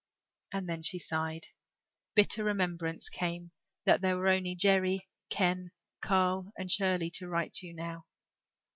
And then she sighed. Bitter remembrance came that there were only Jerry, Ken, Carl and Shirley to write it to now.